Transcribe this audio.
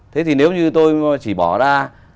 thế thì nếu như tôi chỉ bỏ ra